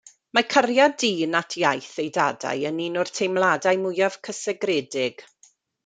Mae cariad dyn at iaith ei dadau yn un o'r teimladau mwyaf cysegredig.